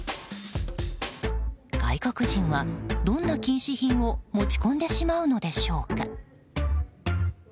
外国人はどんな禁止品を持ち込んでしまうのでしょうか。